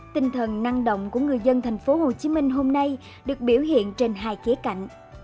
tinh thần năng động của người dân thành phố hồ chí minh hôm nay được biểu hiện trên hai kế cạnh